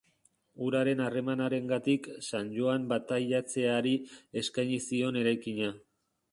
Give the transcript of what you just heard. Uraren harremanarengatik, San Joan bataiatzaileari eskaini zitzaion eraikina.